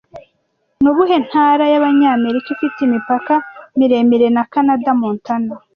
Ni ubuhe ntara y'Abanyamerika ifite imipaka miremire na Kanada Montana